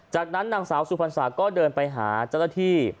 จากนั้นนางสาวสุพรรษาก็เดินไปหาเจ้าหน้าที่